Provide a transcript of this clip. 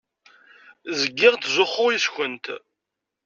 Zgiɣ ttzuxxuɣ yes-kent.